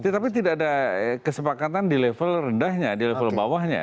tapi tidak ada kesepakatan di level rendahnya di level bawahnya